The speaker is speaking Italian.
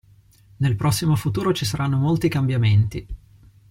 Nel prossimo futuro ci saranno molti cambiamenti.